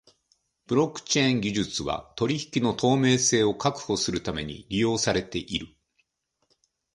ブロックチェーン技術は取引の透明性を確保するために利用されている。